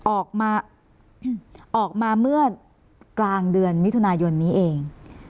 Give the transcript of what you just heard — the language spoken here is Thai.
ออกมาออกมาเมื่อกลางเดือนมิถุนายนนี้เอง